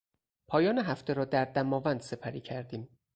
پایان هفته را در دماوند سپری کردیم.